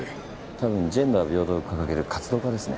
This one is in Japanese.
多分ジェンダー平等を掲げる活動家ですね。